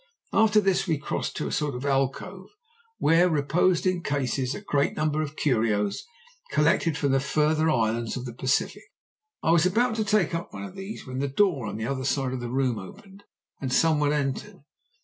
After this we crossed to a sort of alcove where reposed in cases a great number of curios collected from the further islands of the Pacific. I was about to take up one of these when the door on the other side of the room opened and some one entered.